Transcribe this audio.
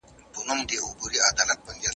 د حوصلې کارول په سياست کي ډېر مهم دي.